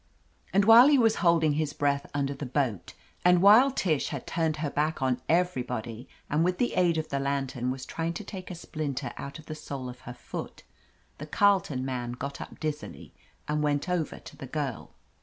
And while he was holding his breath under the boat, and while Tish had turned her back on every body and with the aid of the lantern was trying to take a splinter out of the sole of her foot, the Carleton man got up dizzily and went over to the girl.